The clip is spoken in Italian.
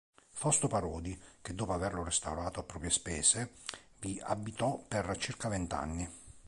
Fausto Parodi, che dopo averlo restaurato a proprie spese, vi abitò per circa vent'anni.